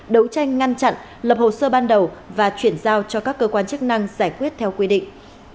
đấu tranh ngăn chặn lập hồ sơ ban đầu và chuyển giao cho các cơ quan chức năng giải quyết theo quy định